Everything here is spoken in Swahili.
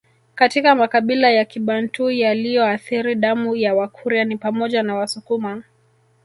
Katika makabila ya Kibantu yaliyoathiri damu ya Wakurya ni pamoja na Wasukuma